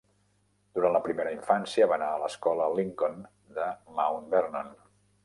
Durant la primera infància va anar a l'escola Lincoln de Mount Vernon.